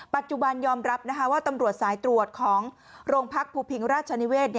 ปัจจุบันยอมรับว่าตำรวจสายตรวจของโรงพักภูพิงราชนิเวศ